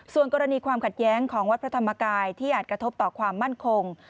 ส่วนกรณีความขัดแย้งของวัดพระธรรมกายที่อาจกระทบต่อความมั่นคง